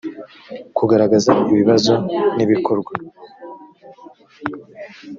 kugaragaza ibibazo n ibikorwa